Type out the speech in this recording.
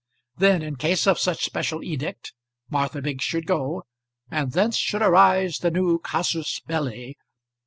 Then, in case of such special edict, Martha Biggs should go, and thence should arise the new casus belli.